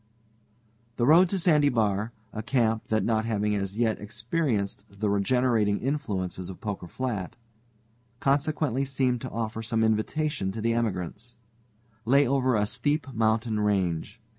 The road to Sandy Bar a camp that, not having as yet experienced the regenerating influences of Poker Flat, consequently seemed to offer some invitation to the emigrants lay over a steep mountain range.